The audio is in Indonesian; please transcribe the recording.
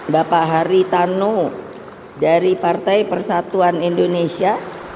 bapak hari tanu dari partai persatuan indonesia